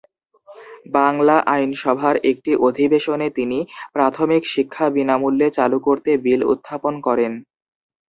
বাংলা আইন সভার একটি অধিবেশনে তিনি প্রাথমিক শিক্ষা বিনামূল্যে চালু করতে বিল উত্থাপন করেন।